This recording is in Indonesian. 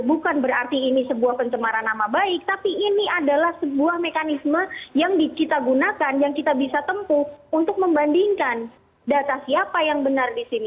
bukan berarti ini sebuah pencemaran nama baik tapi ini adalah sebuah mekanisme yang kita gunakan yang kita bisa tempuh untuk membandingkan data siapa yang benar di sini